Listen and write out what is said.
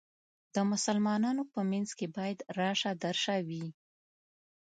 د مسلمانانو په منځ کې باید راشه درشه وي.